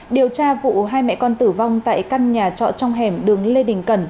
điều tra vụ hai mẹ con tử vong tại căn nhà trọ trong hẻm đường lê đình cần